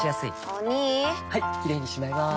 お兄はいキレイにしまいます！